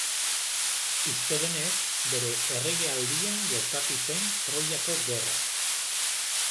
Uste denez, bere erregealdian gertatu zen Troiako Gerra.